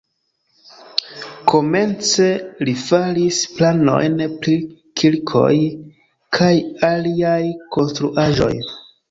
Komence li faris planojn pri kirkoj kaj aliaj konstruaĵoj.